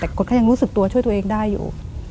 แต่กฎก็ยังรู้สึกตัวช่วยตัวเองได้อยู่